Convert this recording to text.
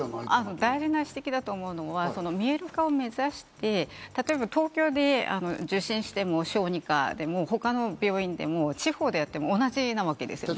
大事な指摘だと思うのは、見える化を目指して、例えば東京で受診しても、小児科でも他の病院でも地方であっても同じなわけですね。